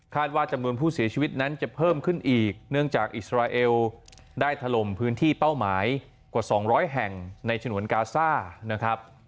ว่าจำนวนผู้เสียชีวิตนั้นจะเพิ่มขึ้นอีกเนื่องจากอิสราเอลได้ถล่มพื้นที่เป้าหมายกว่า๒๐๐แห่งในฉนวนกาซ่านะครับ